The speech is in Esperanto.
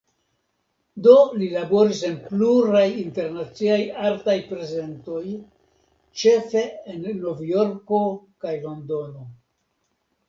Do li laboris en pluraj internaciaj artaj prezentoj, ĉefe en Novjorko kaj Londono.